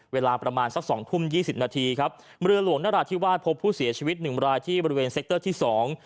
เวลาประมาณสักสองทุ่มยี่สิบนาทีครับเรือหลวงนราธิวาสพบผู้เสียชีวิตหนึ่งรายที่บริเวณเซ็กเตอร์ที่สอง